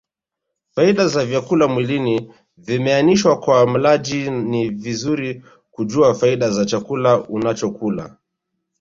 Faida za vyakula mwilini vimeanishwa Kwa mlaji ni vizuri kujua faida za chakula unachokula